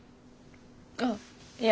あっいや。